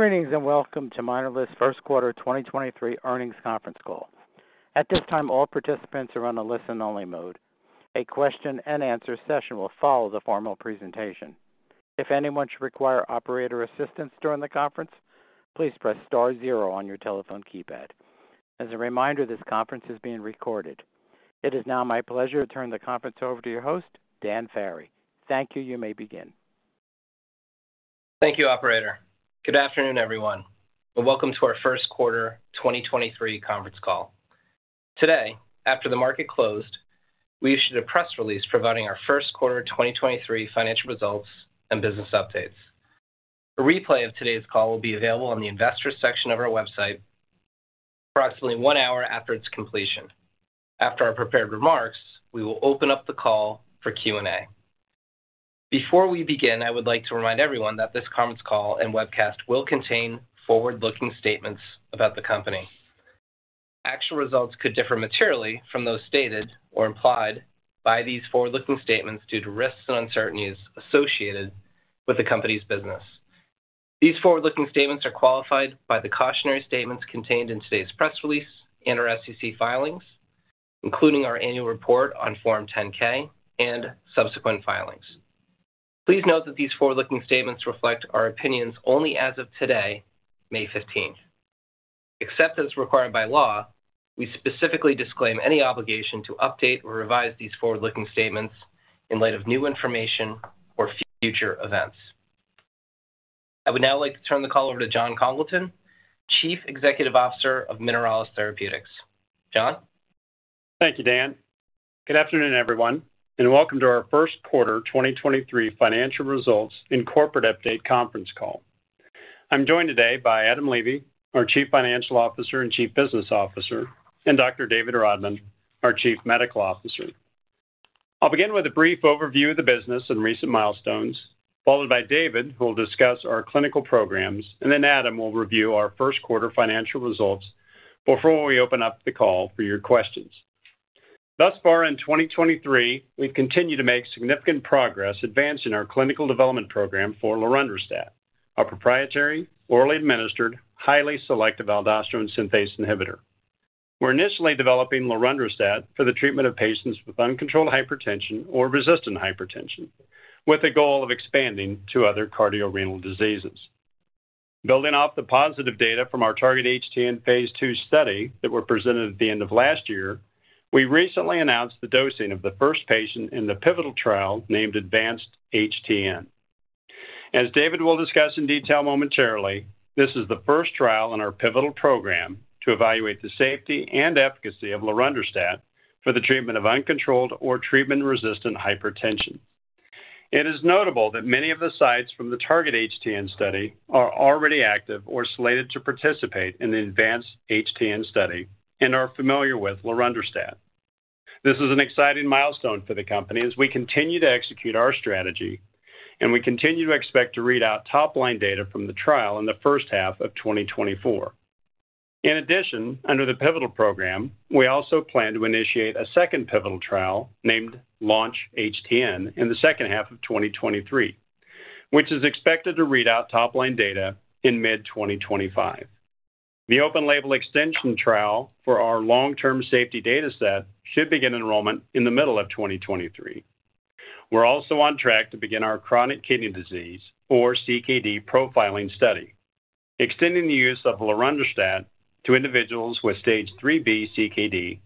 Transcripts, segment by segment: Greetings, welcome to Mineralys' First Quarter 2023 Earnings Conference Call. At this time, all participants are on a listen-only mode. A question and answer session will follow the formal presentation. If anyone should require operator assistance during the conference, please press star zero on your telephone keypad. As a reminder, this conference is being recorded. It is now my pleasure to turn the conference over to your host, Dan Ferry. Thank you. You may begin. Thank you, operator. Good afternoon, everyone, welcome to our First Quarter 2023 Conference Call. Today, after the market closed, we issued a press release providing our first quarter 2023 financial results and business updates. A replay of today's call will be available on the investors section of our website approximately one hour after its completion. After our prepared remarks, we will open up the call for Q&A. Before we begin, I would like to remind everyone that this conference call and webcast will contain forward-looking statements about the company. Actual results could differ materially from those stated or implied by these forward-looking statements due to risks and uncertainties associated with the company's business. These forward-looking statements are qualified by the cautionary statements contained in today's press release and our SEC filings, including our annual report on Form 10-K and subsequent filings. Please note that these forward-looking statements reflect our opinions only as of today, May 15th. Except as required by law, we specifically disclaim any obligation to update or revise these forward-looking statements in light of new information or future events. I would now like to turn the call over to Jon Congleton, Chief Executive Officer of Mineralys Therapeutics. Jon? Thank you, Dan. Good afternoon, everyone, and welcome to our first quarter 2023 financial results and corporate update conference call. I'm joined today by Adam Levy, our Chief Financial Officer and Chief Business Officer, and Dr. David Rodman, our Chief Medical Officer. I'll begin with a brief overview of the business and recent milestones, followed by David, who will discuss our clinical programs, and then Adam will review our first quarter financial results before we open up the call for your questions. Thus far in 2023, we've continued to make significant progress advancing our clinical development program for lorundrostat, our proprietary, orally administered, highly selective aldosterone synthase inhibitor. We're initially developing lorundrostat for the treatment of patients with uncontrolled hypertension or resistant hypertension, with a goal of expanding to other cardiorenal disease. Building off the positive data from our TARGET-HTN phase 2 study that were presented at the end of last year, we recently announced the dosing of the first patient in the pivotal trial named ADVANCE-HTN. As David will discuss in detail momentarily, this is the first trial in our pivotal program to evaluate the safety and efficacy of lorundrostat for the treatment of uncontrolled or treatment-resistant hypertension. It is notable that many of the sites from the TARGET-HTN study are already active or slated to participate in the ADVANCE-HTN study and are familiar with lorundrostat. This is an exciting milestone for the company as we continue to execute our strategy, we continue to expect to read out top-line data from the trial in the first half of 2024. Under the pivotal program, we also plan to initiate a second pivotal trial named LAUNCH-HTN in the second half of 2023, which is expected to read out top-line data in mid-2025. The open-label extension trial for our long-term safety data set should begin enrollment in the middle of 2023. We're also on track to begin our chronic kidney disease, or CKD, profiling study, extending the use of lorundrostat to individuals with Stage 3b CKD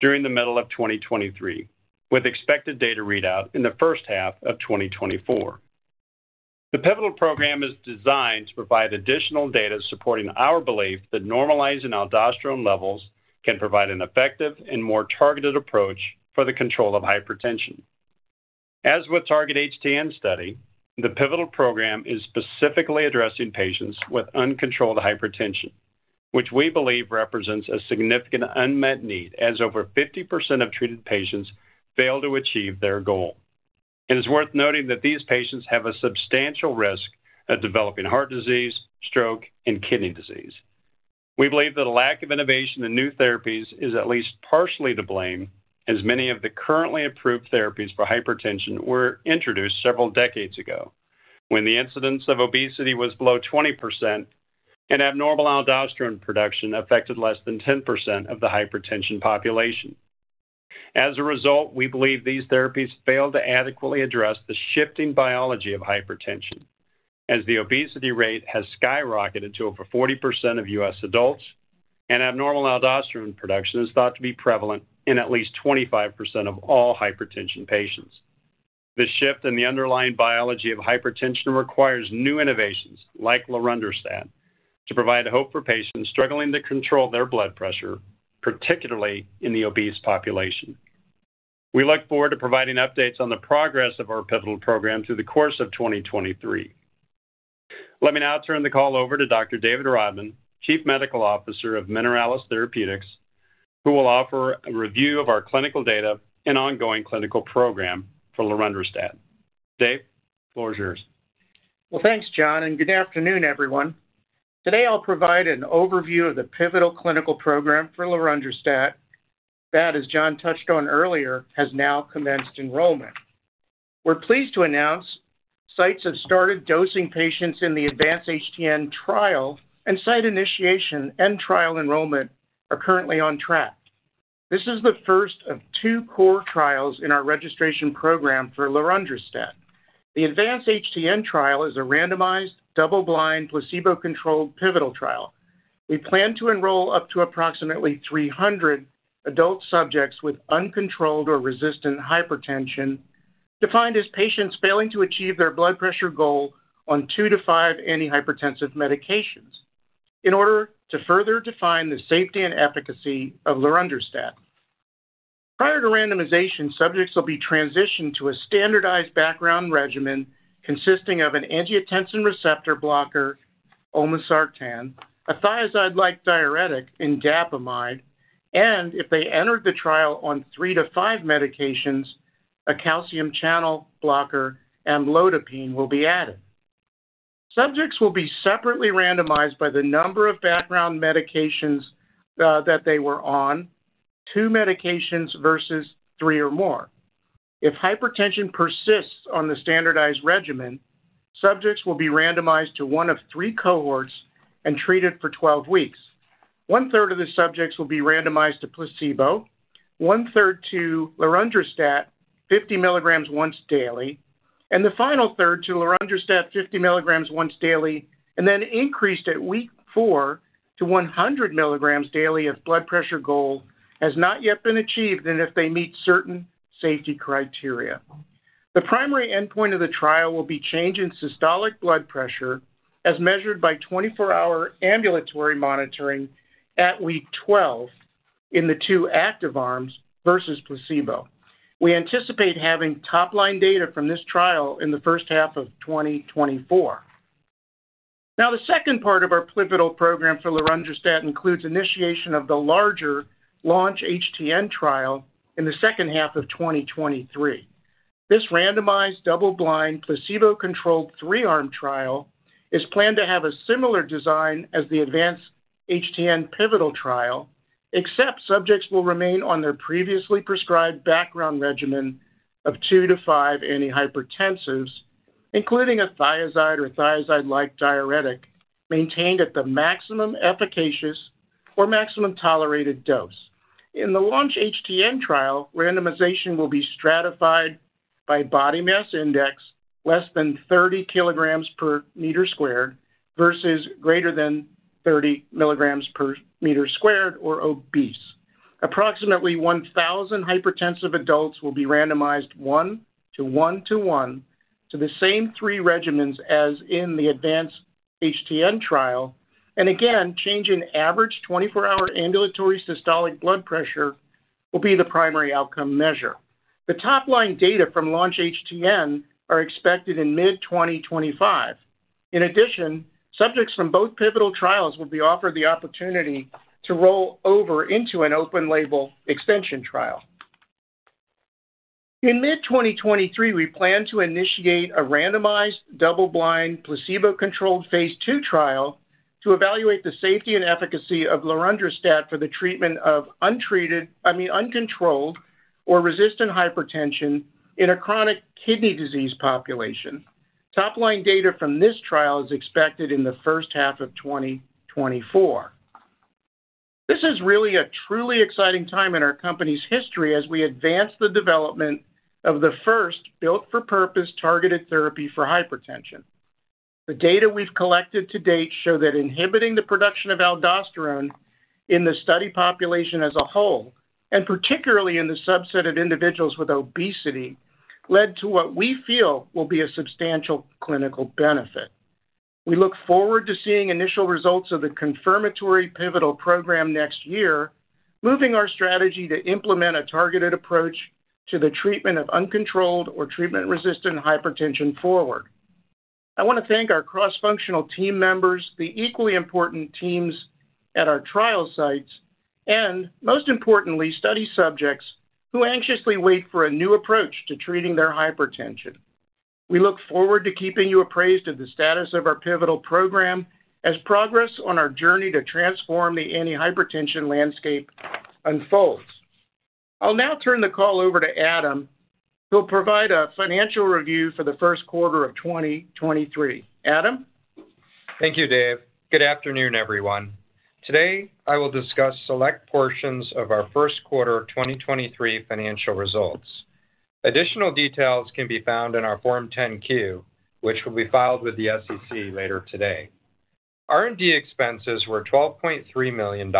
during the middle of 2023, with expected data readout in the first half of 2024. The pivotal program is designed to provide additional data supporting our belief that normalizing aldosterone levels can provide an effective and more targeted approach for the control of hypertension. As with TARGET-HTN, the pivotal program is specifically addressing patients with uncontrolled hypertension, which we believe represents a significant unmet need as over 50% of treated patients fail to achieve their goal. It is worth noting that these patients have a substantial risk of developing heart disease, stroke, and kidney disease. We believe that a lack of innovation in new therapies is at least partially to blame, as many of the currently approved therapies for hypertension were introduced several decades ago, when the incidence of obesity was below 20% and abnormal aldosterone production affected less than 10% of the hypertension population. As a result, we believe these therapies failed to adequately address the shifting biology of hypertension, as the obesity rate has skyrocketed to over 40% of U.S. adults, and abnormal aldosterone production is thought to be prevalent in at least 25% of all hypertension patients. The shift in the underlying biology of hypertension requires new innovations like lorundrostat to provide hope for patients struggling to control their blood pressure, particularly in the obese population. We look forward to providing updates on the progress of our pivotal program through the course of 2023. Let me now turn the call over to Dr. David Rodman, Chief Medical Officer of Mineralys Therapeutics, who will offer a review of our clinical data and ongoing clinical program for lorundrostat. Dave, the floor is yours. Well, thanks, Jon, and good afternoon, everyone. Today, I'll provide an overview of the pivotal clinical program for lorundrostat. As Jon touched on earlier, has now commenced enrollment. We're pleased to announce sites have started dosing patients in the ADVANCE-HTN trial, and site initiation and trial enrollment are currently on track. This is the first of two core trials in our registration program for lorundrostat. The ADVANCE-HTN trial is a randomized, double-blind, placebo-controlled pivotal trial. We plan to enroll up to approximately 300 adult subjects with uncontrolled or resistant hypertension, defined as patients failing to achieve their blood pressure goal on two-five antihypertensive medications in order to further define the safety and efficacy of lorundrostat. Prior to randomization, subjects will be transitioned to a standardized background regimen consisting of an angiotensin receptor blocker, olmesartan, a thiazide-like diuretic in indapamide, and if they enter the trial on 3-5 medications, a calcium channel blocker, amlodipine, will be added. Subjects will be separately randomized by the number of background medications that they were on, two medications versus three or more. If hypertension persists on the standardized regimen, subjects will be randomized to one of three cohorts and treated for 12 weeks. One-third of the subjects will be randomized to placebo, one-third to lorundrostat 50 milligrams once daily, and the final third to lorundrostat 50 milligrams once daily and then increased at week four to 100 milligrams daily if blood pressure goal has not yet been achieved and if they meet certain safety criteria. The primary endpoint of the trial will be change in systolic blood pressure as measured by 24-hour ambulatory monitoring at week 12 in the two active arms versus placebo. We anticipate having top-line data from this trial in the first half of 2024. The second part of our pivotal program for lorundrostat includes initiation of the larger LAUNCH-HTN trial in the second half of 2023. This randomized, double-blind, placebo-controlled three-arm trial is planned to have a similar design as the ADVANCE-HTN pivotal trial, except subjects will remain on their previously prescribed background regimen of two to five antihypertensives, including a thiazide or thiazide-like diuretic, maintained at the maximum efficacious or maximum tolerated dose. In the LAUNCH-HTN trial, randomization will be stratified by body mass index less than 30 kilograms per meter squared versus greater than 30 milligrams per meter squared or obese. Approximately 1,000 hypertensive adults will be randomized 1:1:1 to the same three regimens as in the ADVANCE-HTN trial. Again, change in average 24-hour ambulatory systolic blood pressure will be the primary outcome measure. The top-line data from LAUNCH-HTN are expected in mid-2025. Subjects from both pivotal trials will be offered the opportunity to roll over into an open-label extension trial. In mid-2023, we plan to initiate a randomized, double-blind, placebo-controlled Phase 2 trial to evaluate the safety and efficacy of lorundrostat for the treatment of uncontrolled or resistant hypertension in a chronic kidney disease population. Top-line data from this trial is expected in the first half of 2024. This is really a truly exciting time in our company's history as we advance the development of the first built-for-purpose targeted therapy for hypertension. The data we've collected to date show that inhibiting the production of aldosterone in the study population as a whole, and particularly in the subset of individuals with obesity, led to what we feel will be a substantial clinical benefit. We look forward to seeing initial results of the confirmatory pivotal program next year, moving our strategy to implement a targeted approach to the treatment of uncontrolled or treatment-resistant hypertension forward. I want to thank our cross-functional team members, the equally important teams at our trial sites, and most importantly, study subjects who anxiously wait for a new approach to treating their hypertension. We look forward to keeping you appraised of the status of our pivotal program as progress on our journey to transform the antihypertension landscape unfolds. I'll now turn the call over to Adam, who'll provide a financial review for the first quarter of 2023. Adam? Thank you, Dave. Good afternoon, everyone. Today, I will discuss select portions of our first quarter of 2023 financial results. Additional details can be found in our Form 10-Q, which will be filed with the SEC later today. R&D expenses were $12.3 million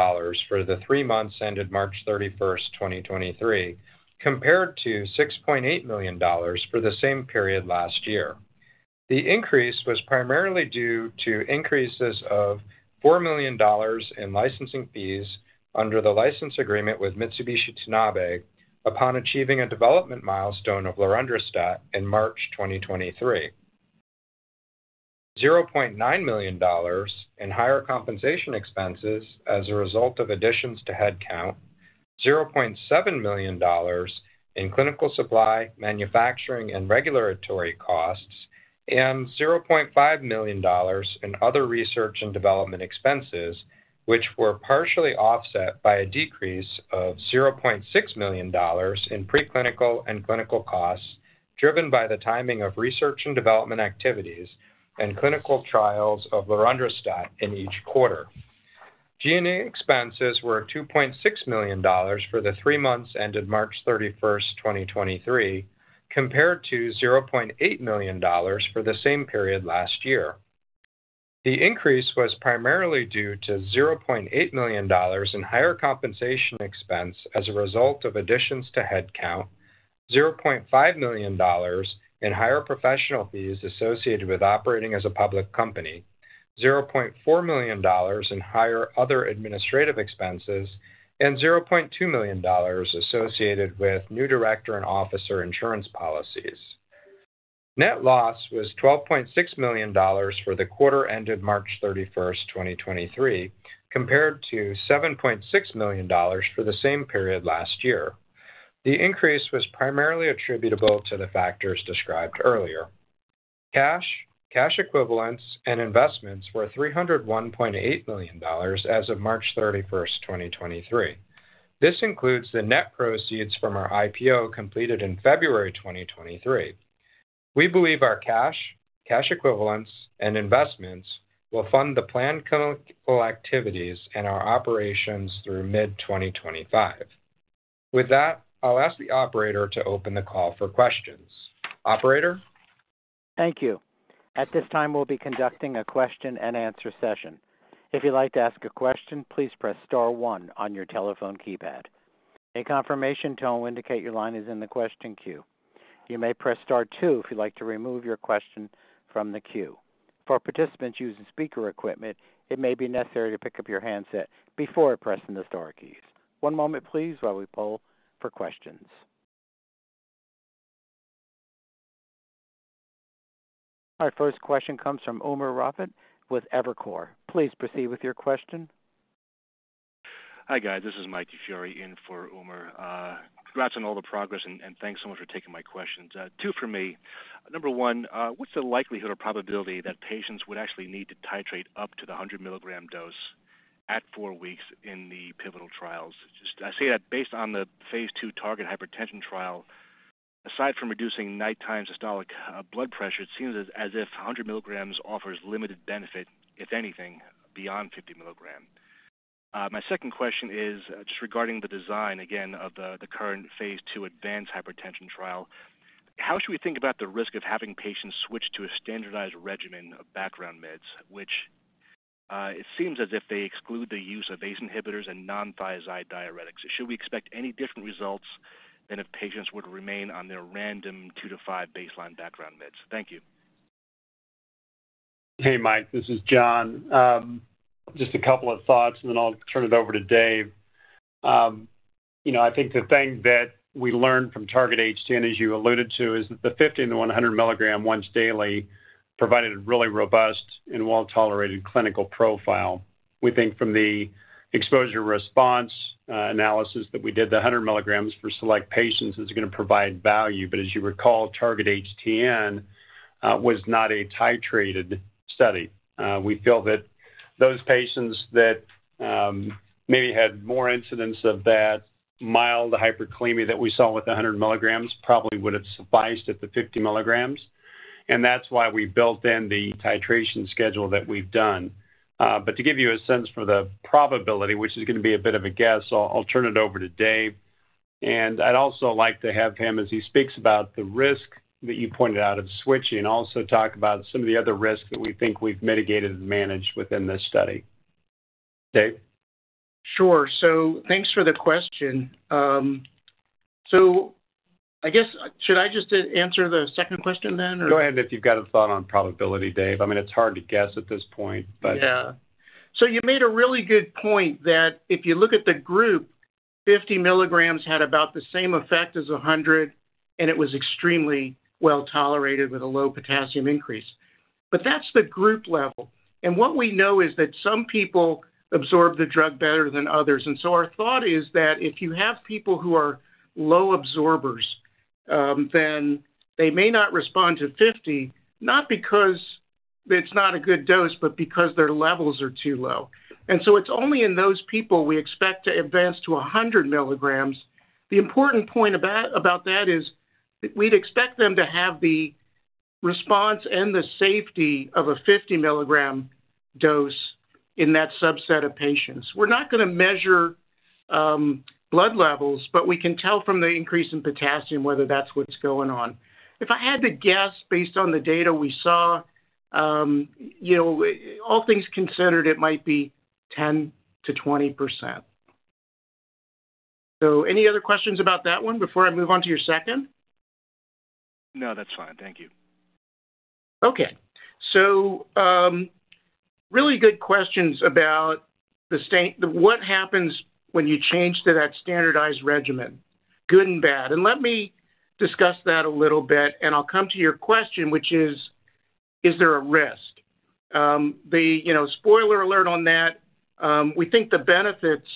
for the three months ended March 31st, 2023, compared to $6.8 million for the same period last year. The increase was primarily due to increases of $4 million in licensing fees under the license agreement with Mitsubishi Tanabe upon achieving a development milestone of lorundrostat in March 2023. $0.9 million in higher compensation expenses as a result of additions to headcount. $0.7 million in clinical supply, manufacturing, and regulatory costs. $0.5 million in other research and development expenses, which were partially offset by a decrease of $0.6 million in preclinical and clinical costs, driven by the timing of research and development activities and clinical trials of lorundrostat in each quarter. G&A expenses were $2.6 million for the three months ended March 31, 2023, compared to $0.8 million for the same period last year. The increase was primarily due to $0.8 million in higher compensation expense as a result of additions to headcount, $0.5 million in higher professional fees associated with operating as a public company, $0.4 million in higher other administrative expenses, and $0.2 million associated with new director and officer insurance policies. Net loss was $12.6 million for the quarter ended March 31, 2023, compared to $7.6 million for the same period last year. The increase was primarily attributable to the factors described earlier. Cash, cash equivalents and investments were $301.8 million as of March 31, 2023. This includes the net proceeds from our IPO completed in February 2023. We believe our cash equivalents and investments will fund the planned clinical activities and our operations through mid-2025. With that, I'll ask the operator to open the call for questions. Operator? Thank you. At this time, we'll be conducting a question and answer session. If you'd like to ask a question, please press star one on your telephone keypad. A confirmation tone will indicate your line is in the question queue. You may press star two if you'd like to remove your question from the queue. For participants using speaker equipment, it may be necessary to pick up your handset before pressing the star keys. One moment please while we poll for questions. Our first question comes from Umer Raffat with Evercore. Please proceed with your question. Hi, guys. This is Michael DiFiore in for Umer. Congrats on all the progress and thanks so much for taking my questions. Two for me. Number one, what's the likelihood or probability that patients would actually need to titrate up to the 100 mg dose at four weeks in the pivotal trials? I say that based on the Phase 2 TARGET-HTN trial. Aside from reducing nighttime systolic blood pressure, it seems as if 100 mg offers limited benefit, if anything, beyond 50 mg. My second question is just regarding the design again of the current Phase 2 ADVANCE-HTN trial. How should we think about the risk of having patients switch to a standardized regimen of background meds, which it seems as if they exclude the use of ACE inhibitors and non-thiazide diuretics? Should we expect any different results than if patients would remain on their random two-five baseline background meds? Thank you. Hey, Mike, this is Jon. Just a couple of thoughts and then I'll turn it over to Dave. You know, I think the thing that we learned from TARGET-HTN, as you alluded to, is that the 50 and the 100 mg once daily provided a really robust and well-tolerated clinical profile. We think from the exposure-response analysis that we did, the 100 mg for select patients is gonna provide value. As you recall, TARGET-HTN was not a titrated study. We feel that those patients that maybe had more incidents of that mild hyperkalemia that we saw with the 100 mg probably would have sufficed at the 50 mg. That's why we built in the titration schedule that we've done. To give you a sense for the probability, which is gonna be a bit of a guess, I'll turn it over to Dave. I'd also like to have him, as he speaks about the risk that you pointed out of switching, also talk about some of the other risks that we think we've mitigated and managed within this study. Dave? Sure. Thanks for the question. I guess, should I just answer the second question then or. Go ahead if you've got a thought on probability, Dave. I mean, it's hard to guess at this point, but. Yeah. You made a really good point that if you look at the group, 50 milligrams had about the same effect as 100, and it was extremely well-tolerated with a low potassium increase. But that's the group level. What we know is that some people absorb the drug better than others. Our thought is that if you have people who are low absorbers, then they may not respond to 50, not because it's not a good dose, but because their levels are too low. It's only in those people we expect to advance to 100 milligrams. The important point about that is we'd expect them to have the response and the safety of a 50-milligram dose in that subset of patients. We're not gonna measure blood levels, but we can tell from the increase in potassium whether that's what's going on. If I had to guess based on the data we saw, you know, all things considered, it might be 10%-20%. Any other questions about that one before I move on to your second? No, that's fine. Thank you. Okay. Really good questions about what happens when you change to that standardized regimen, good and bad. Let me discuss that a little bit, and I'll come to your question, which is there a risk? The, you know, spoiler alert on that, we think the benefits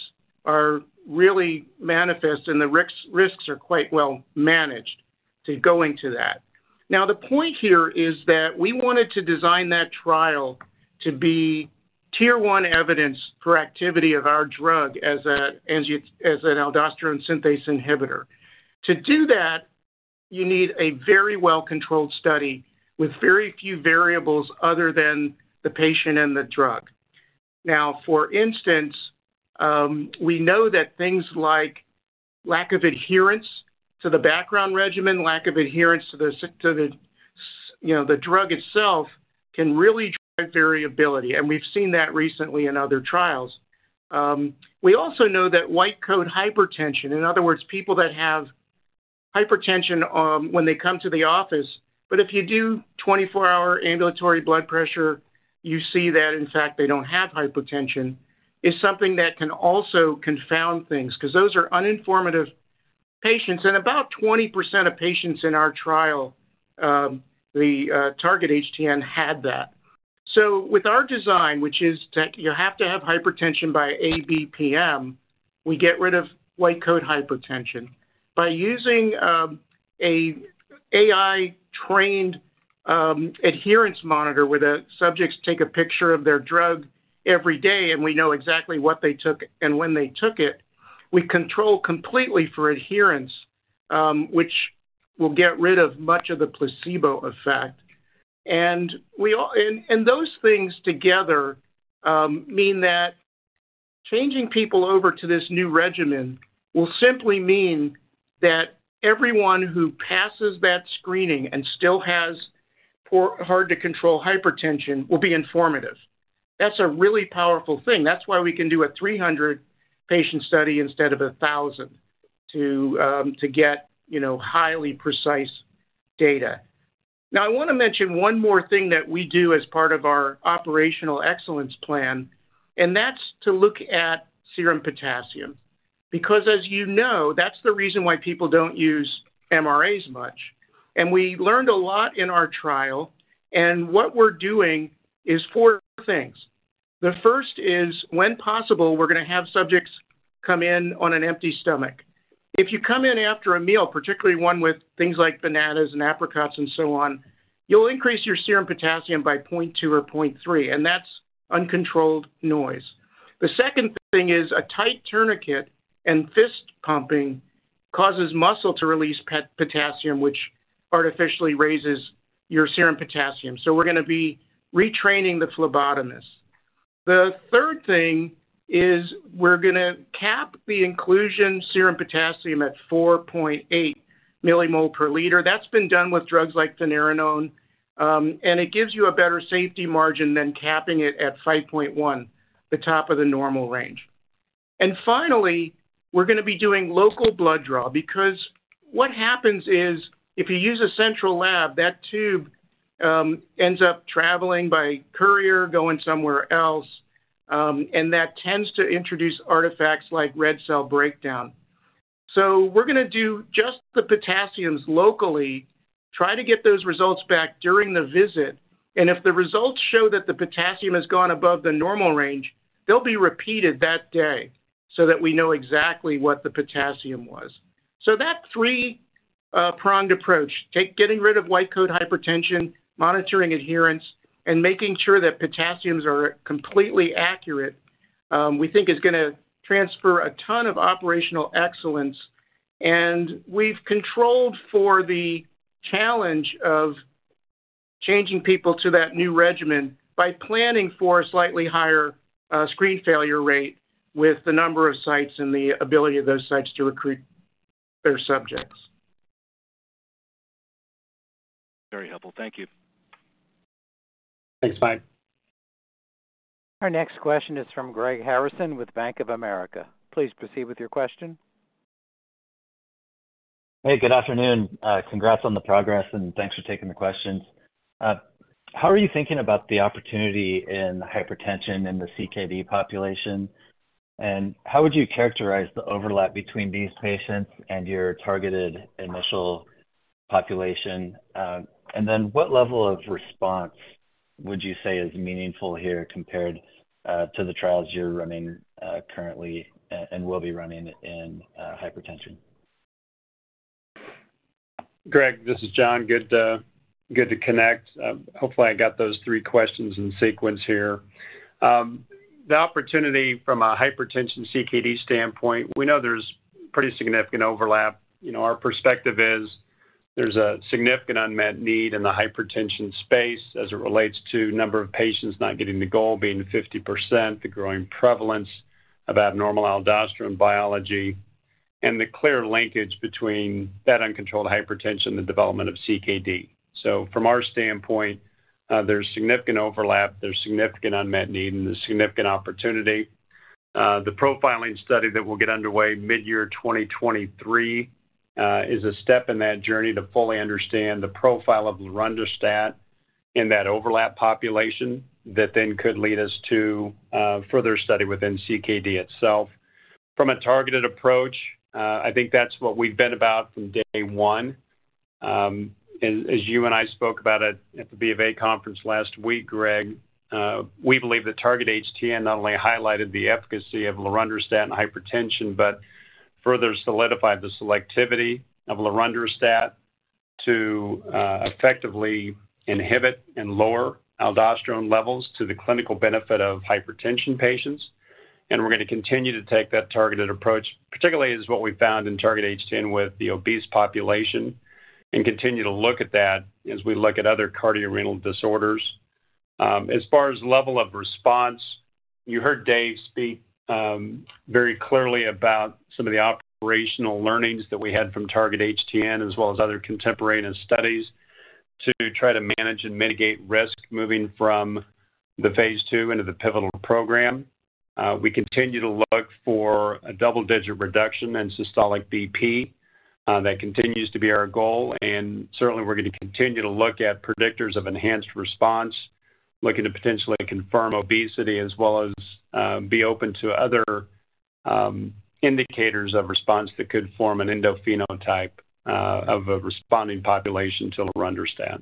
are really manifest and the risks are quite well managed to going to that. The point here is that we wanted to design that trial to be tier one evidence for activity of our drug as an aldosterone synthase inhibitor. To do that, you need a very well-controlled study with very few variables other than the patient and the drug. For instance, we know that things like lack of adherence to the background regimen, lack of adherence to the you know, the drug itself can really drive variability, and we've seen that recently in other trials. We also know that white coat hypertension, in other words, people that have hypertension, when they come to the office, but if you do 24-hour ambulatory blood pressure, you see that in fact they don't have hypertension, is something that can also confound things 'cause those are uninformative patients. About 20% of patients in our trial, the TARGET-HTN had that. With our design, which is you have to have hypertension by ABPM, we get rid of white coat hypertension. By using an AI-trained adherence monitor where the subjects take a picture of their drug every day, and we know exactly what they took and when they took it, we control completely for adherence, which will get rid of much of the placebo effect. We and those things together mean that changing people over to this new regimen will simply mean that everyone who passes that screening and still has poor, hard-to-control hypertension will be informative. That's a really powerful thing. That's why we can do a 300-patient study instead of 1,000 to get, you know, highly precise data. I wanna mention one more thing that we do as part of our operational excellence plan, and that's to look at serum potassium because, as you know, that's the reason why people don't use MRAs much. We learned a lot in our trial, and what we're doing is four things. The first is, when possible, we're gonna have subjects come in on an empty stomach. If you come in after a meal, particularly one with things like bananas and apricots and so on, you'll increase your serum potassium by 0.2 or 0.3, and that's uncontrolled noise. The second thing is a tight tourniquet and fist pumping causes muscle to release potassium, which artificially raises your serum potassium. We're gonna be retraining the phlebotomists. The third thing is we're gonna cap the inclusion serum potassium at 4.8 millimole per liter. That's been done with drugs like finerenone, and it gives you a better safety margin than capping it at 5.1, the top of the normal range. Finally, we're gonna be doing local blood draw because what happens is, if you use a central lab, that tube ends up traveling by courier, going somewhere else, and that tends to introduce artifacts like red cell breakdown. We're gonna do just the potassiums locally, try to get those results back during the visit, and if the results show that the potassium has gone above the normal range, they'll be repeated that day so that we know exactly what the potassium was. That three-pronged approach, take getting rid of white coat hypertension, monitoring adherence, and making sure that potassiums are completely accurate, we think is gonna transfer a ton of operational excellence. We've controlled for the challenge of changing people to that new regimen by planning for a slightly higher screen failure rate with the number of sites and the ability of those sites to recruit their subjects. Very helpful. Thank you. Thanks, Mike. Our next question is from Greg Harrison with Bank of America. Please proceed with your question. Hey, good afternoon. Congrats on the progress, and thanks for taking the questions. How are you thinking about the opportunity in hypertension in the CKD population, and how would you characterize the overlap between these patients and your targeted initial population? What level of response would you say is meaningful here compared to the trials you're running currently and will be running in hypertension? Greg, this is Jon. Good, good to connect. Hopefully I got those three questions in sequence here. The opportunity from a hypertension-CKD standpoint, we know there's pretty significant overlap. You know, our perspective is there's a significant unmet need in the hypertension space as it relates to number of patients not getting the goal being 50%, the growing prevalence of abnormal aldosterone biology, and the clear linkage between that uncontrolled hypertension and the development of CKD. From our standpoint, there's significant overlap, there's significant unmet need, and there's significant opportunity. The profiling study that will get underway midyear 2023, is a step in that journey to fully understand the profile of lorundrostat in that overlap population that then could lead us to further study within CKD itself. From a targeted approach, I think that's what we've been about from day one. As you and I spoke about at the BofA conference last week, Greg, we believe that TARGET-HTN not only highlighted the efficacy of lorundrostat in hypertension but further solidified the selectivity of lorundrostat to effectively inhibit and lower aldosterone levels to the clinical benefit of hypertension patients. We're gonna continue to take that targeted approach, particularly as what we found in TARGET-HTN with the obese population, and continue to look at that as we look at other cardiorenal disorders. As far as level of response, you heard Dave speak very clearly about some of the operational learnings that we had from TARGET-HTN, as well as other contemporaneous studies, to try to manage and mitigate risk moving from the Phase 2 into the pivotal program. We continue to look for a double-digit reduction in systolic BP. That continues to be our goal. Certainly, we're gonna continue to look at predictors of enhanced response, looking to potentially confirm obesity as well as be open to other indicators of response that could form an endophenotype of a responding population to lorundrostat.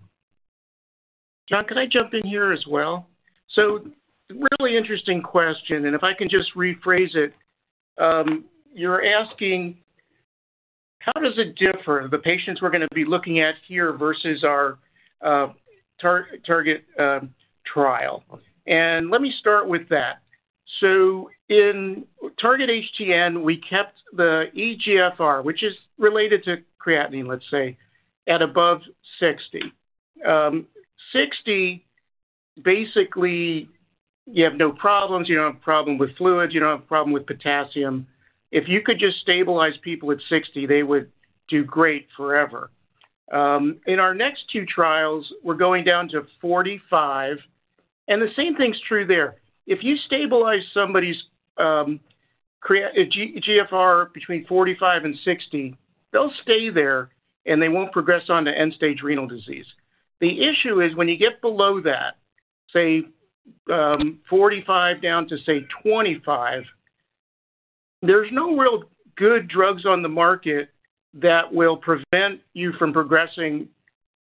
Jon, can I jump in here as well? Really interesting question, and if I can just rephrase it, you're asking how does it differ, the patients we're gonna be looking at here versus our target trial. Let me start with that. In TARGET-HTN, we kept the eGFR, which is related to creatinine, let's say, at above 60. 60, basically, you have no problems. You don't have a problem with fluids. You don't have a problem with potassium. If you could just stabilize people at 60, they would do great forever. In our next two trials, we're going down to 45, the same thing's true there. If you stabilize somebody's GFR between 45 and 60, they'll stay there, and they won't progress on to end-stage renal disease. The issue is when you get below that, say, 45 down to, say, 25, there's no real good drugs on the market that will prevent you from progressing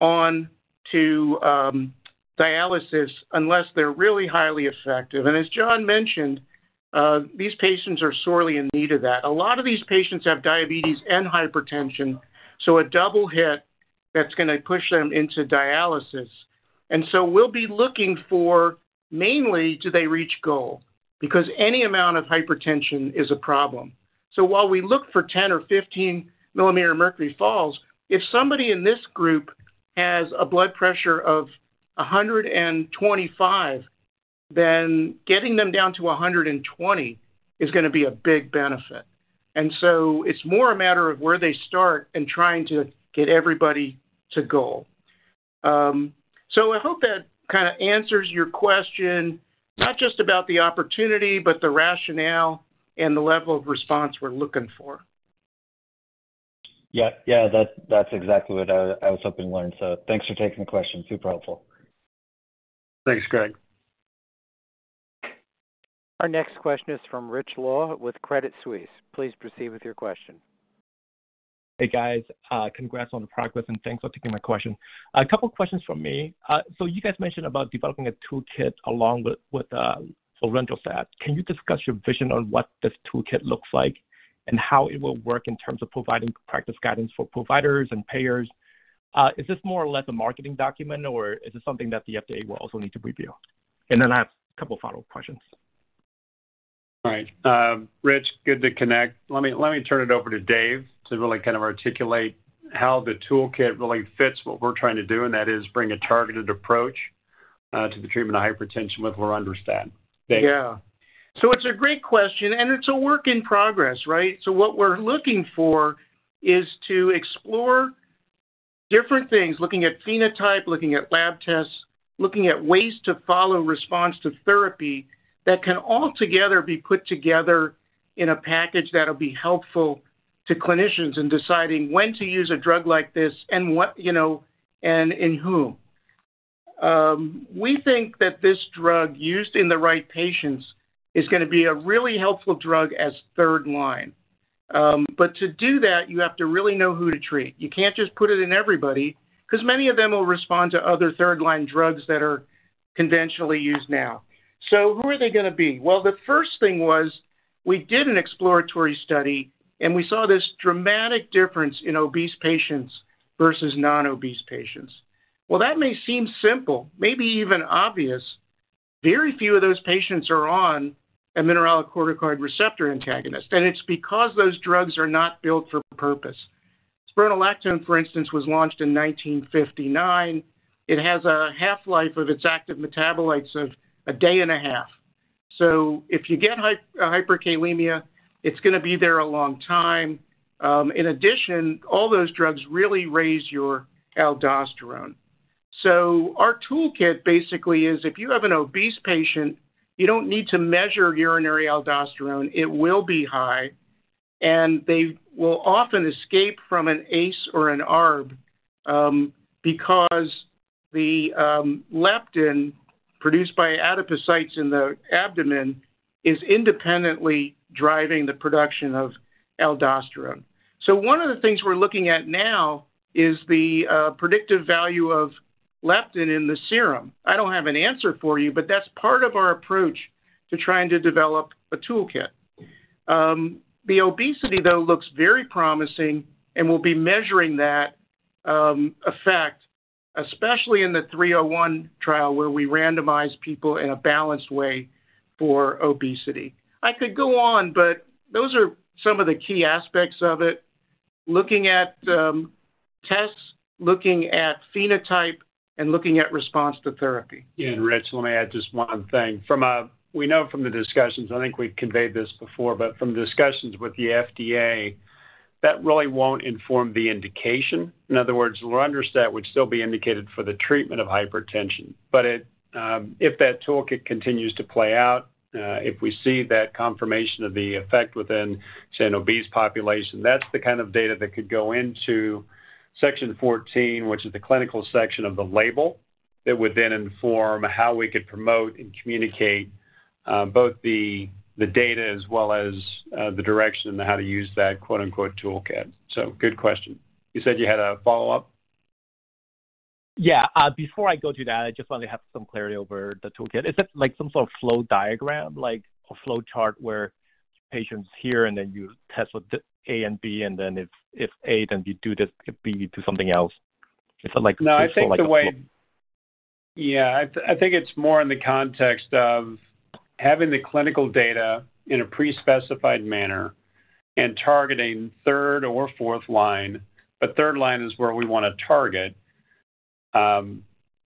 on to dialysis unless they're really highly effective. As Jon mentioned, these patients are sorely in need of that. A lot of these patients have diabetes and hypertension, so a double hit that's gonna push them into dialysis. We'll be looking for mainly do they reach goal? Because any amount of hypertension is a problem. So while we look for 10 or 15 millimeter mercury falls, if somebody in this group has a blood pressure of 125, then getting them down to 120 is gonna be a big benefit. It's more a matter of where they start and trying to get everybody to goal. I hope that kinda answers your question, not just about the opportunity but the rationale and the level of response we're looking for. Yeah. Yeah, that's exactly what I was hoping to learn. Thanks for taking the question. Super helpful. Thanks, Greg. Our next question is from Rich Law with Credit Suisse. Please proceed with your question. Hey, guys. Congrats on the progress, thanks for taking my question. A couple questions from me. You guys mentioned about developing a toolkit along with lorundrostat. Can you discuss your vision on what this toolkit looks like and how it will work in terms of providing practice guidance for providers and payers? Is this more or less a marketing document, or is this something that the FDA will also need to review? I have a couple follow-up questions. All right. Rich, good to connect. Let me turn it over to Dave to really kind of articulate how the toolkit really fits what we're trying to do, and that is bring a targeted approach to the treatment of hypertension with lorundrostat. Dave? It's a great question, and it's a work in progress, right? What we're looking for is to explore different things, looking at phenotype, looking at lab tests, looking at ways to follow response to therapy that can all together be put together in a package that'll be helpful to clinicians in deciding when to use a drug like this and what, you know, and in whom. We think that this drug used in the right patients is gonna be a really helpful drug as third line. But to do that, you have to really know who to treat. You can't just put it in everybody 'cause many of them will respond to other third-line drugs that are conventionally used now. Who are they gonna be? The first thing was we did an exploratory study, and we saw this dramatic difference in obese patients versus non-obese patients. While that may seem simple, maybe even obvious, very few of those patients are on a mineralocorticoid receptor antagonist, and it's because those drugs are not built for purpose. Spironolactone, for instance, was launched in 1959. It has a half-life of its active metabolites of a day and a half. If you get hyperkalemia, it's gonna be there a long time. In addition, all those drugs really raise your aldosterone. Our toolkit basically is if you have an obese patient, you don't need to measure urinary aldosterone. It will be high. They will often escape from an ACE or an ARB, because the leptin produced by adipocytes in the abdomen is independently driving the production of aldosterone. One of the things we're looking at now is the predictive value of leptin in the serum. I don't have an answer for you, but that's part of our approach to trying to develop a toolkit. The obesity, though, looks very promising, and we'll be measuring that effect, especially in the 301 trial where we randomize people in a balanced way for obesity. I could go on, but those are some of the key aspects of it. Looking at tests, looking at phenotype, and looking at response to therapy. Yeah. Rich, let me add just one thing. We know from the discussions, I think we've conveyed this before, but from the discussions with the FDA, that really won't inform the indication. In other words, lorundrostat would still be indicated for the treatment of hypertension. But it if that toolkit continues to play out, if we see that confirmation of the effect within say an obese population, that's the kind of data that could go into Section 14, which is the clinical section of the label, that would then inform how we could promote and communicate, both the data as well as, the direction on how to use that, quote-unquote, toolkit. Good question. You said you had a follow-up? Yeah. Before I go to that, I just want to have some clarity over the toolkit. Is it like some sort of flow diagram, like a flow chart where patient's here and then you test with the A and B, and then if A, then you do this, if B, you do something else? Is it like? No, I think the way. Sort of like a flow. Yeah. I think it's more in the context of having the clinical data in a pre-specified manner and targeting third or fourth-line. Third line is where we wanna target,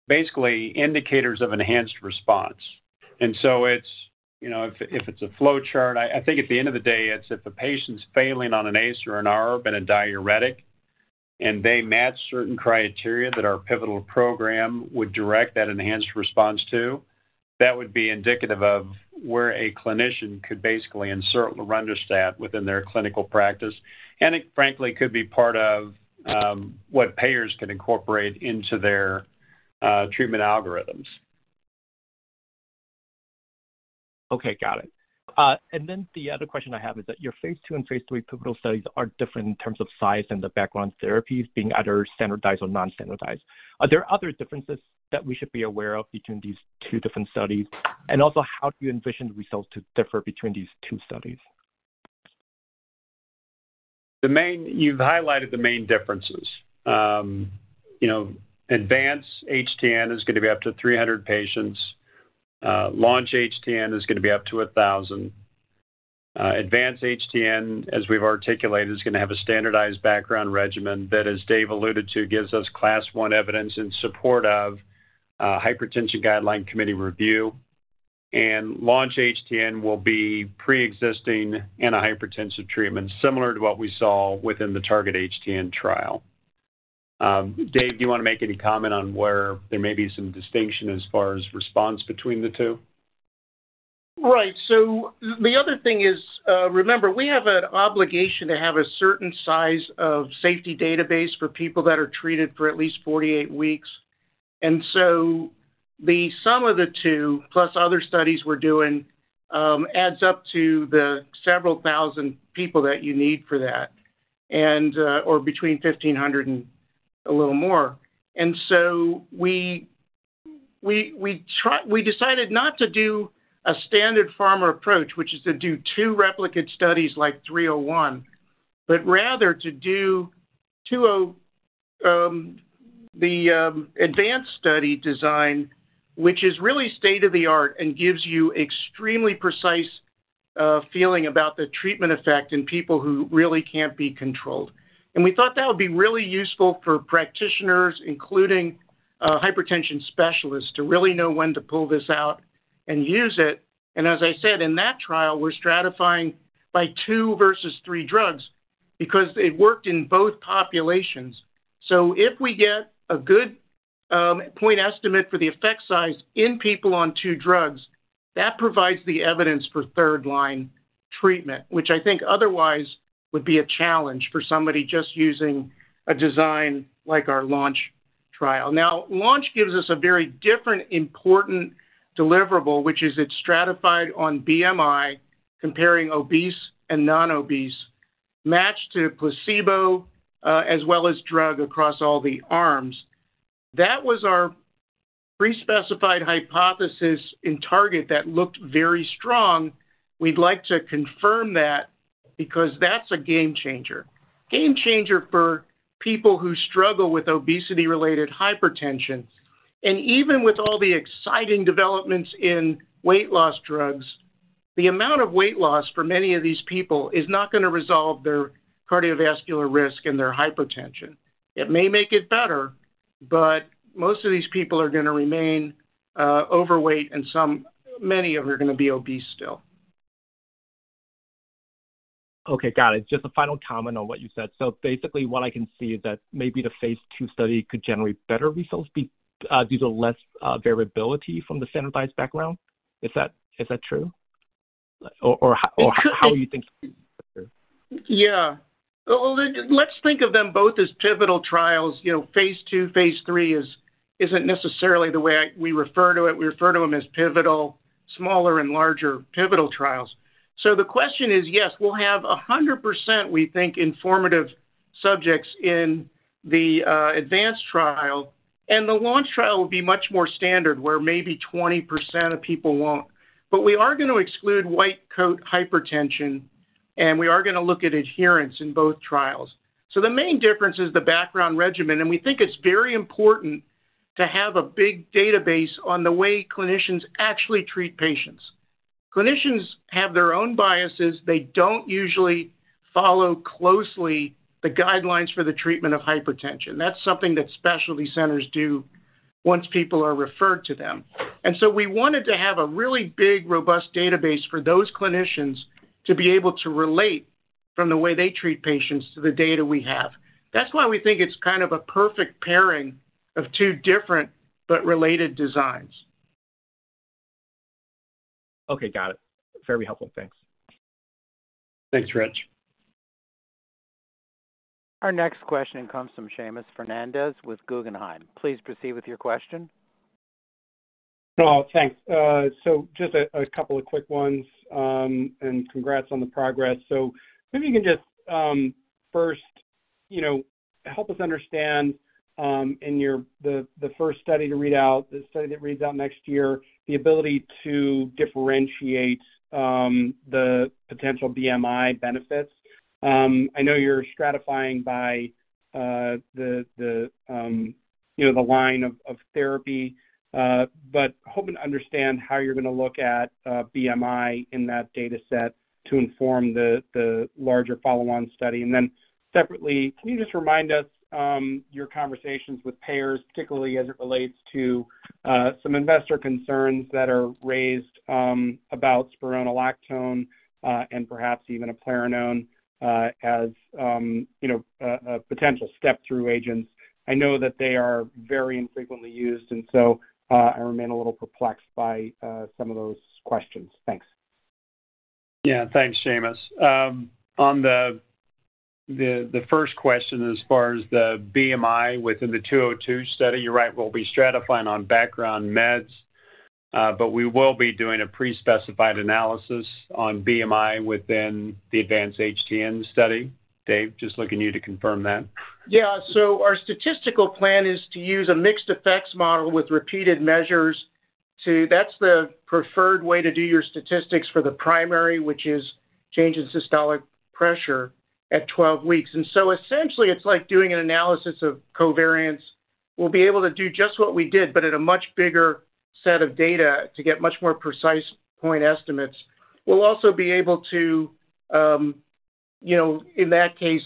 basically indicators of enhanced response. It's, you know, if it's a flowchart, I think at the end of the day, it's if a patient's failing on an ACE or an ARB and a diuretic and they match certain criteria that our pivotal program would direct that enhanced response to, that would be indicative of where a clinician could basically insert lorundrostat within their clinical practice. It frankly could be part of, what payers can incorporate into their treatment algorithms. Okay. Got it. The other question I have is that your phase two and phase three pivotal studies are different in terms of size and the background therapies being either standardized or non-standardized. Are there other differences that we should be aware of between these two different studies? How do you envision the results to differ between these two studies? You've highlighted the main differences. You know, ADVANCE-HTN is gonna be up to 300 patients. LAUNCH-HTN is gonna be up to 1,000. ADVANCE-HTN, as we've articulated, is gonna have a standardized background regimen that, as Dave alluded to, gives us Class 1 evidence in support of a hypertension guideline committee review. LAUNCH-HTN will be pre-existing antihypertensive treatment, similar to what we saw within the TARGET-HTN trial. Dave, do you wanna make any comment on where there may be some distinction as far as response between the two? Right. The other thing is, remember, we have an obligation to have a certain size of safety database for people that are treated for at least 48 weeks. The sum of the two, plus other studies we're doing, adds up to the several thousand people that you need for that or between 1,500 and a little more. We decided not to do a standard pharma approach, which is to do two replicate studies like 301, but rather to do two, the advanced study design, which is really state-of-the-art and gives you extremely precise feeling about the treatment effect in people who really can't be controlled. We thought that would be really useful for practitioners, including hypertension specialists, to really know when to pull this out and use it. As I said, in that trial, we're stratifying by 2 versus 3 drugs because it worked in both populations. If we get a good point estimate for the effect size in people on 2 drugs, that provides the evidence for 3rd-line treatment, which I think otherwise would be a challenge for somebody just using a design like our LAUNCH trial. LAUNCH gives us a very different important deliverable, which is it's stratified on BMI, comparing obese and non-obese, matched to placebo, as well as drug across all the arms. That was our pre-specified hypothesis in TARGET that looked very strong. We'd like to confirm that because that's a game-changer. Game-changer for people who struggle with obesity-related hypertension. Even with all the exciting developments in weight loss drugs, the amount of weight loss for many of these people is not gonna resolve their cardiovascular risk and their hypertension. It may make it better, but most of these people are gonna remain overweight, and many of them are gonna be obese still. Okay. Got it. Just a final comment on what you said. Basically, what I can see is that maybe the Phase 2 study could generate better results due to less variability from the standardized background? Is that true? How are you thinking through? Yeah. Well, let's think of them both as pivotal trials. You know, phase 2, phase 3 isn't necessarily the way we refer to it. We refer to them as pivotal, smaller and larger pivotal trials. The question is, yes, we'll have 100%, we think, informative subjects in the ADVANCE-HTN trial, and the LAUNCH-HTN trial will be much more standard, where maybe 20% of people won't. We are gonna exclude white coat hypertension, and we are gonna look at adherence in both trials. The main difference is the background regimen, and we think it's very important to have a big database on the way clinicians actually treat patients. Clinicians have their own biases. They don't usually follow closely the guidelines for the treatment of hypertension. That's something that specialty centers do once people are referred to them. We wanted to have a really big, robust database for those clinicians to be able to relate from the way they treat patients to the data we have. That's why we think it's kind of a perfect pairing of two different but related designs. Okay. Got it. Very helpful. Thanks. Thanks, Rich. Our next question comes from Seamus Fernandez with Guggenheim. Please proceed with your question. Thanks. Just a couple of quick ones, and congrats on the progress. Maybe you can just, first, you know, help us understand, the first study to read out, the study that reads out next year, the ability to differentiate, the potential BMI benefits. I know you're stratifying by, the, you know, the line of therapy, but hoping to understand how you're gonna look at BMI in that dataset to inform the larger follow-on study. Separately, can you just remind us, your conversations with payers, particularly as it relates to some investor concerns that are raised, about spironolactone, and perhaps even eplerenone, as, you know, a potential step-through agents. I know that they are very infrequently used, and so, I remain a little perplexed by, some of those questions. Thanks. Thanks, Seamus. On the first question, as far as the BMI within the 202 study, you're right. We'll be stratifying on background meds, but we will be doing a pre-specified analysis on BMI within the ADVANCE-HTN study. Dave, just looking to you to confirm that. Our statistical plan is to use a mixed effects model with repeated measures. That's the preferred way to do your statistics for the primary, which is change in systolic pressure at 12 weeks. Essentially, it's like doing an analysis of covariance. We'll be able to do just what we did but in a much bigger set of data to get much more precise point estimates. We'll also be able to, you know, in that case,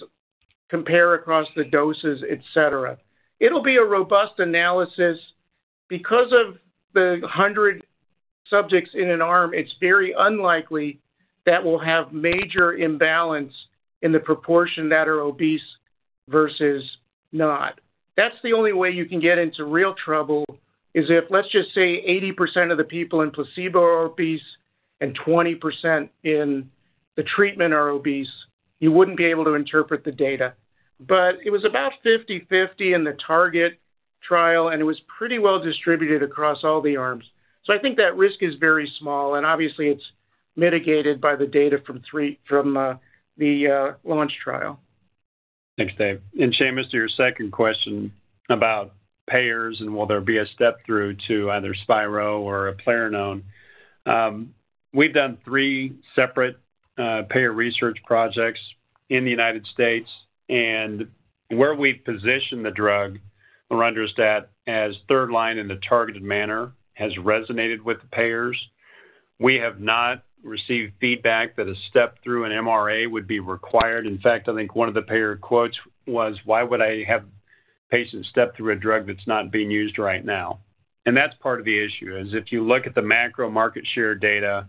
compare across the doses, et cetera. It'll be a robust analysis. Because of the 100 subjects in an arm, it's very unlikely that we'll have major imbalance in the proportion that are obese versus not. That's the only way you can get into real trouble is if, let's just say, 80% of the people in placebo are obese and 20% in the treatment are obese. You wouldn't be able to interpret the data. It was about 50/50 in the target trial, and it was pretty well distributed across all the arms. I think that risk is very small, and obviously, it's mitigated by the data from the launch trial. Thanks, David Rodman. Seamus, to your second question about payers and will there be a step-through to either spironolactone or eplerenone. We've done three separate payer research projects in the United States, where we position the drug, lorundrostat, as third line in the targeted manner, has resonated with the payers. We have not received feedback that a step through an MRA would be required. In fact, I think one of the payer quotes was, "Why would I have patients step through a drug that's not being used right now?" That's part of the issue, is if you look at the macro market share data,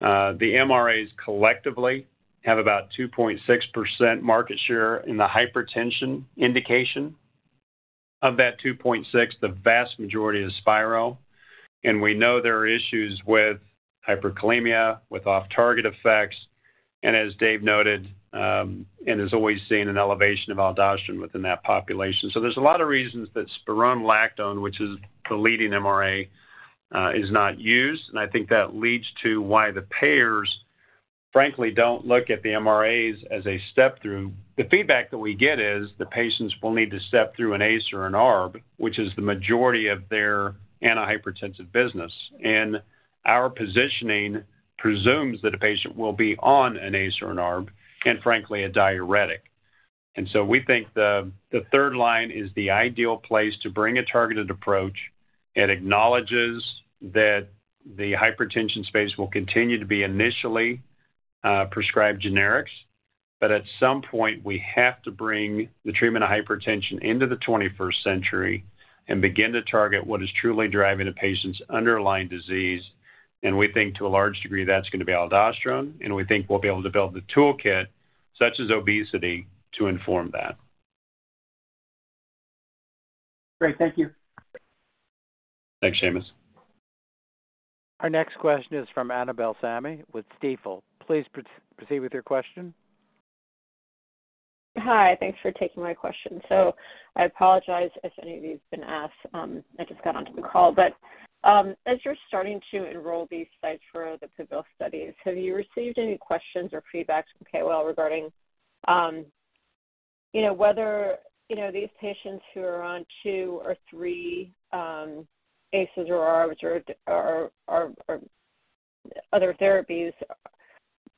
the MRAs collectively have about 2.6% market share in the hypertension indication. Of that 2.6, the vast majority is spironolactone. We know there are issues with hyperkalemia, with off-target effects, and as Dave noted, and is always seeing an elevation of aldosterone within that population. There's a lot of reasons that spironolactone, which is the leading MRA, is not used. I think that leads to why the payers frankly don't look at the MRAs as a step-through. The feedback that we get is the patients will need to step through an ACE or an ARB, which is the majority of their antihypertensive business. Our positioning presumes that a patient will be on an ACE or an ARB and frankly a diuretic. We think the third line is the ideal place to bring a targeted approach. It acknowledges that the hypertension space will continue to be initially prescribed generics. At some point, we have to bring the treatment of hypertension into the twenty-first century and begin to target what is truly driving a patient's underlying disease. We think to a large degree, that's gonna be aldosterone, and we think we'll be able to build the toolkit such as obesity to inform that. Great. Thank you. Thanks, Seamus. Our next question is from Annabel Samimy with Stifel. Please proceed with your question. Hi. Thanks for taking my question. I apologize if any of these have been asked, I just got onto the call. As you're starting to enroll these sites for the pivotal studies, have you received any questions or feedback from KOL regarding, you know, whether, you know, these patients who are on two or three ACEs or ARBs or other therapies,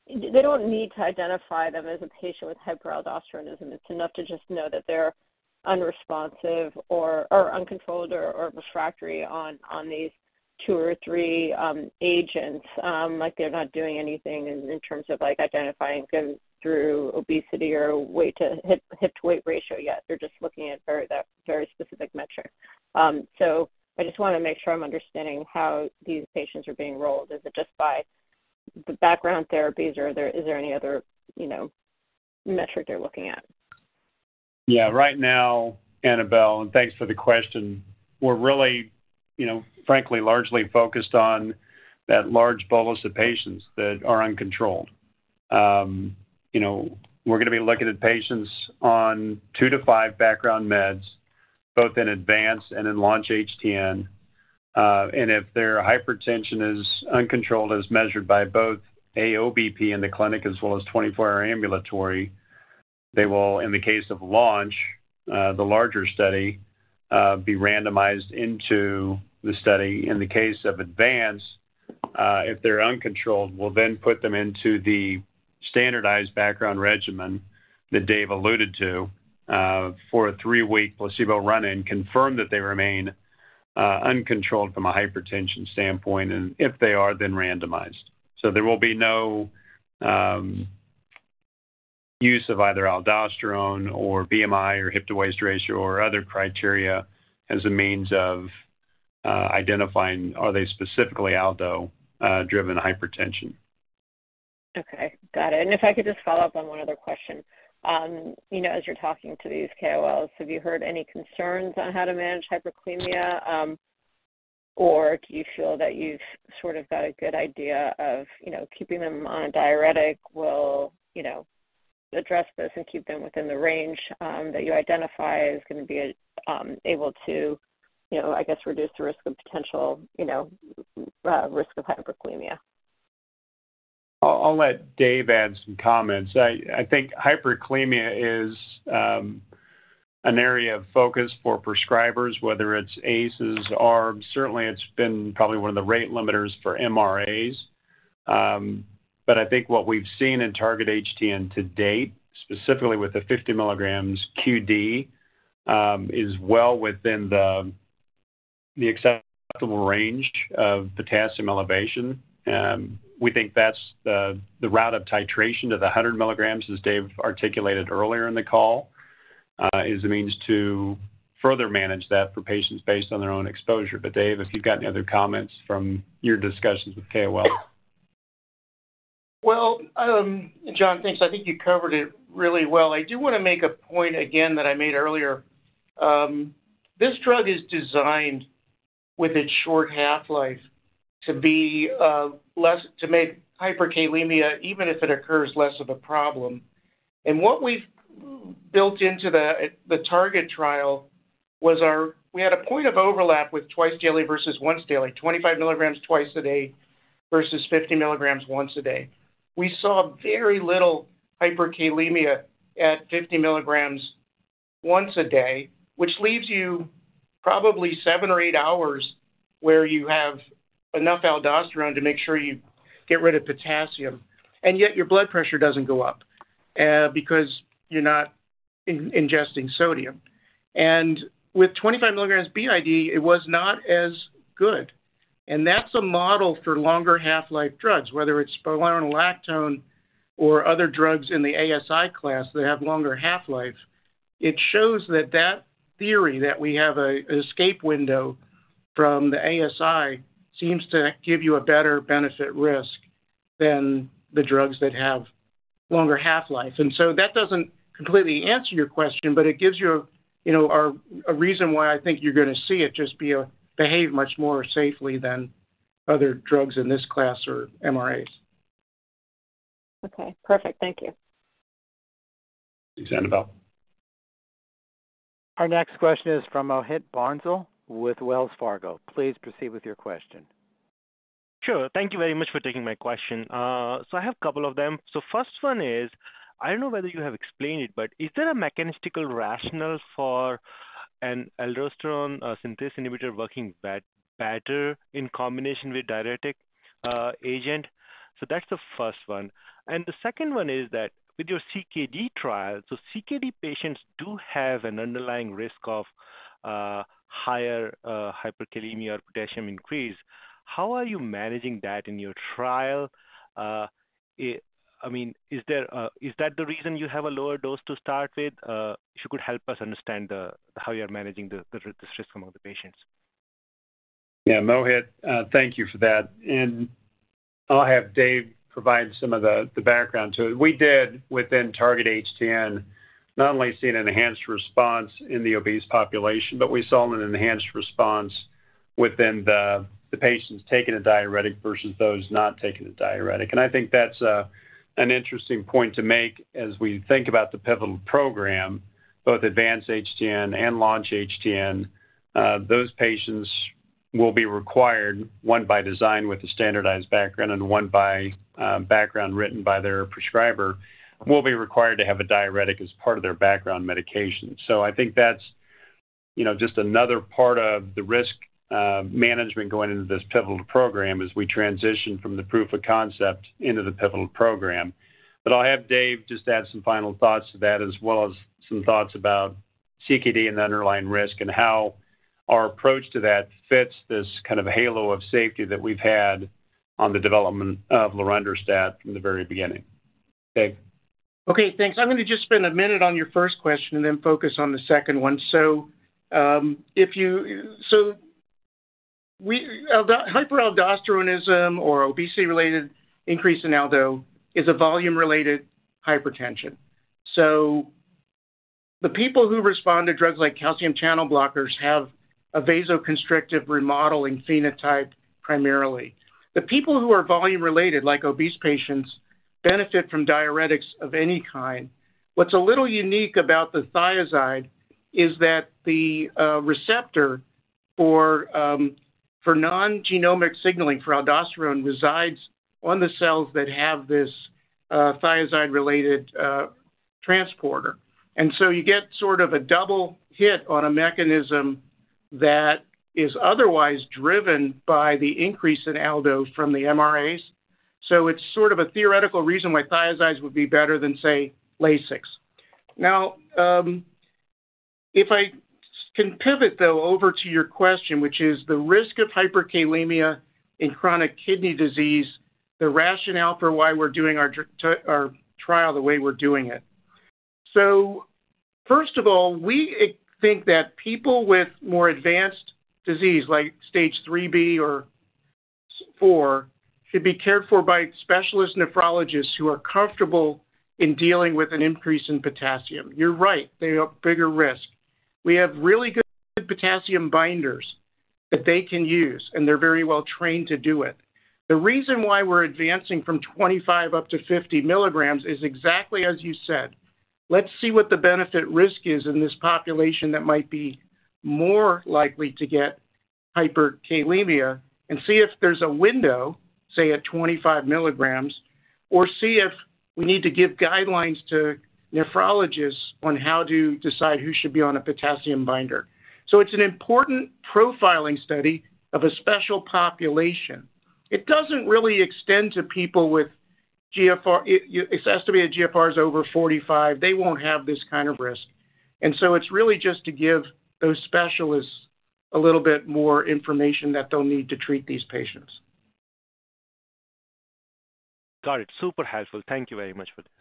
they don't need to identify them as a patient with hyperaldosteronism. It's enough to just know that they're unresponsive or uncontrolled or refractory on these two or three agents, like they're not doing anything in terms of like identifying them through obesity or weight to hip to weight ratio yet. They're just looking at that very specific metric. I just wanna make sure I'm understanding how these patients are being enrolled. Is it just by the background therapies or is there any other, you know, metric they're looking at? Right now, Annabel Samimy, thanks for the question, we're really, you know, frankly, largely focused on that large bolus of patients that are uncontrolled. you know, we're gonna be looking at patients on two to five background meds, both in ADVANCE-HTN and in LAUNCH-HTN. If their hypertension is uncontrolled as measured by both AOBP in the clinic as well as 24-hour ambulatory, they will, in the case of LAUNCH-HTN, the larger study, be randomized into the study. In the case of ADVANCE-HTN, if they're uncontrolled, we'll then put them into the standardized background regimen that Dave alluded to, for a three-week placebo run-in, confirm that they remain uncontrolled from a hypertension standpoint, if they are, randomized. There will be no use of either aldosterone or BMI or hip-to-waist ratio or other criteria as a means of identifying are they specifically Aldo driven hypertension. Okay. Got it. If I could just follow up on one other question. You know, as you're talking to these KOLs, have you heard any concerns on how to manage hyperkalemia, or do you feel that you've sort of got a good idea of, you know, keeping them on a diuretic will, you know, address this and keep them within the range that you identify is gonna be able to, you know, I guess, reduce the risk of potential, you know, risk of hyperkalemia? I'll let Dave add some comments. I think hyperkalemia is an area of focus for prescribers, whether it's ACEs, ARBs. Certainly, it's been probably one of the rate limiters for MRAs. I think what we've seen in TARGET-HTN to date, specifically with the 50 milligrams QD, is well within the acceptable range of potassium elevation. We think that's the route of titration to the 100 milligrams, as Dave articulated earlier in the call, is a means to further manage that for patients based on their own exposure. Dave, if you've got any other comments from your discussions with KOLs. Well, Jon, thanks. I think you covered it really well. I do wanna make a point again that I made earlier. This drug is designed with its short half-life to be less to make hyperkalemia, even if it occurs, less of a problem. What we've built into the Target trial was we had a point of overlap with twice daily versus once daily, 25 milligrams twice a day versus 50 milligrams once a day. We saw very little hyperkalemia at 50 milligrams once a day, which leaves you probably seven or eight hours where you have enough aldosterone to make sure you get rid of potassium. Yet your blood pressure doesn't go up because you're not in-ingesting sodium. With 25 milligrams BID, it was not as good. That's a model for longer half-life drugs, whether it's spironolactone or other drugs in the ASI class that have longer half-life. It shows that that theory that we have an escape window from the ASI seems to give you a better benefit risk than the drugs that have longer half-life. That doesn't completely answer your question, but it gives you know, a reason why I think you're gonna see it just behave much more safely than other drugs in this class or MRAs. Okay. Perfect. Thank you. Thanks, Annabel. Our next question is from Mohit Bansal with Wells Fargo. Please proceed with your question. Sure. Thank you very much for taking my question. I have a couple of them. First one is, I don't know whether you have explained it, but is there a mechanistic rationale for an aldosterone synthase inhibitor working better in combination with diuretic, agent? That's the first one. The second one is that with your CKD trial, CKD patients do have an underlying risk of, higher, hyperkalemia or potassium increase. How are you managing that in your trial? I mean, is there, is that the reason you have a lower dose to start with? If you could help us understand how you're managing the risk among the patients. Yeah, Mohit, thank you for that. I'll have Dave provide some of the background to it. We did within TARGET-HTN not only see an enhanced response in the obese population, but we saw an enhanced response within the patients taking a diuretic versus those not taking a diuretic. I think that's an interesting point to make as we think about the pivotal program, both ADVANCE-HTN and LAUNCH-HTN. Those patients will be required, one by design with a standardized background and one by background written by their prescriber, will be required to have a diuretic as part of their background medication. I think that's, you know, just another part of the risk management going into this pivotal program as we transition from the proof of concept into the pivotal program. I'll have Dave just add some final thoughts to that as well as some thoughts about CKD and the underlying risk and how our approach to that fits this kind of halo of safety that we've had on the development of lorundrostat from the very beginning. Dave? Okay, thanks. I'm gonna just spend a minute on your first question and then focus on the second one. Hyperaldosteronism or obesity-related increase in Aldo is a volume-related hypertension. The people who respond to drugs like calcium channel blockers have a vasoconstrictive remodeling phenotype primarily. The people who are volume related, like obese patients, benefit from diuretics of any kind. What's a little unique about the thiazide is that the receptor for non-genomic signaling for aldosterone resides on the cells that have this thiazide-related transporter. You get sort of a double hit on a mechanism that is otherwise driven by the increase in Aldo from the MRAs. It's sort of a theoretical reason why thiazides would be better than, say, Lasix. If I can pivot, though, over to your question, which is the risk of hyperkalemia in chronic kidney disease, the rationale for why we're doing our trial the way we're doing it. First of all, we think that people with more advanced disease, like Stage 3b or 4, should be cared for by specialist nephrologists who are comfortable in dealing with an increase in potassium. You're right, they are bigger risk. We have really good potassium binders that they can use, and they're very well trained to do it. The reason why we're advancing from 25 up to 50 milligrams is exactly as you said. Let's see what the benefit risk is in this population that might be more likely to get hyperkalemia and see if there's a window, say, at 25 milligrams or see if we need to give guidelines to nephrologists on how to decide who should be on a potassium binder. It's an important profiling study of a special population. It doesn't really extend to people with GFR. Its estimated GFR is over 45. They won't have this kind of risk. It's really just to give those specialists a little bit more information that they'll need to treat these patients. Got it. Super helpful. Thank you very much for this.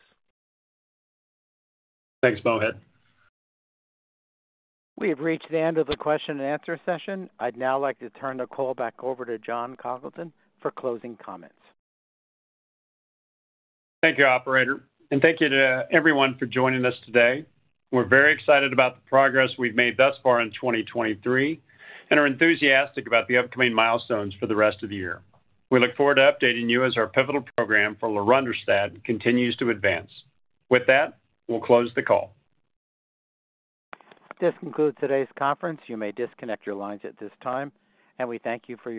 Thanks, Mohit. We have reached the end of the question-and-answer session. I'd now like to turn the call back over to Jon Congleton for closing comments. Thank you, operator, and thank you to everyone for joining us today. We're very excited about the progress we've made thus far in 2023 and are enthusiastic about the upcoming milestones for the rest of the year. We look forward to updating you as our pivotal program for lorundrostat continues to advance. With that, we'll close the call. This concludes today's conference. You may disconnect your lines at this time, and we thank you for your.